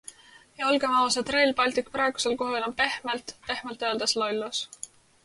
Ja olgem ausad, Rail Baltic praegusel kujul on pehmelt, pehmelt öeldes lollus!